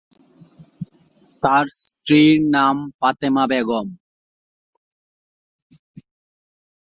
তার স্ত্রীর নাম ফাতেমা বেগম।